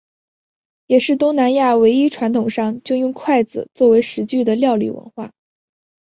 也是东南亚唯一传统上就用筷子作为食具的料理文化。